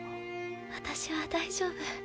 私は大丈夫。